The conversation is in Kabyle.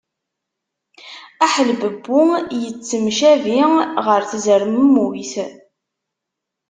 Aḥelbebbu yettemcabi ɣer tzermemmuyt.